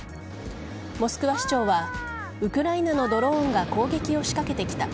モスクワ市長はウクライナのドローンが攻撃を仕掛けてきた。